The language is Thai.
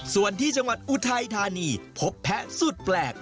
ส่วนที่จังหวัดอุทัยธานีพบแพะสุดแปลก